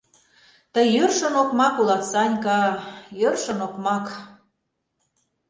— Тый йӧршын окмак улат, Санька... йӧршын окмак...